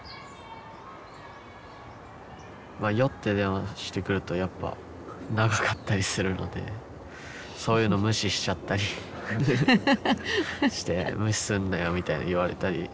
酔って電話してくるとやっぱ長かったりするのでそういうの無視しちゃったりして「無視すんなよ」みたいに言われたり。